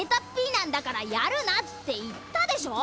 なんだからやるなっていったでしょ！